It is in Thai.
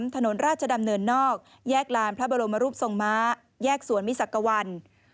ถนนราชดำเนินนอกแยกลานพระบรมรูปทรงม้าแยกสวนมิสักวัน